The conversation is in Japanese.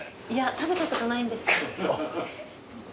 食べたことない？あります？